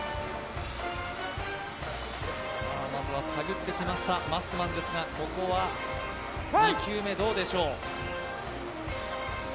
まずは探ってきましたマスクマンでしたが、ここは２球目、どうでしょう。